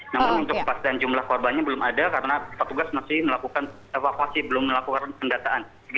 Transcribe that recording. namun untuk kepastian jumlah korbannya belum ada karena petugas masih melakukan evakuasi belum melakukan pendataan